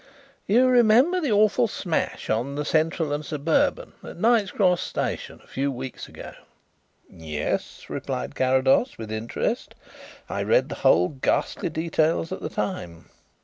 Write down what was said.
You remember the awful smash on the Central and Suburban at Knight's Cross Station a few weeks ago?" "Yes," replied Carrados, with interest. "I read the whole ghastly details at the time."